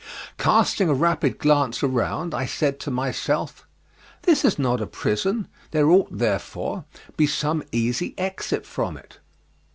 Casting a rapid glance around, I said to myself, "This is not a prison, there ought, therefore, be some easy exit from it."